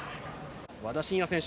和田伸也選手